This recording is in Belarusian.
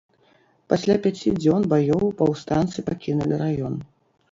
Пасля пяці дзён баёў паўстанцы пакінулі раён.